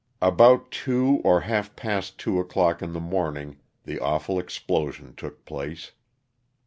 About two or half past two o'clock in the morning the awful explosion took place.